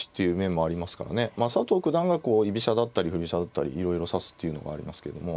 まあ佐藤九段がこう居飛車だったり振り飛車だったりいろいろ指すっていうのがありますけども。